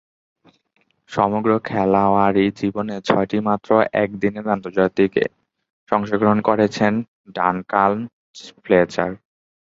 সমগ্র খেলোয়াড়ী জীবনে ছয়টিমাত্র একদিনের আন্তর্জাতিকে অংশগ্রহণ করেছেন ডানকান ফ্লেচার।